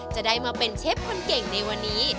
จะได้มาเป็นเชฟคนเก่งในวันนี้